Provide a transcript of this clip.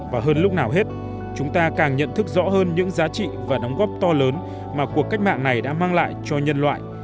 và hơn lúc nào hết chúng ta càng nhận thức rõ hơn những giá trị và đóng góp to lớn mà cuộc cách mạng này đã mang lại cho nhân loại